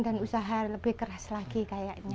dan usaha lebih keras lagi kayaknya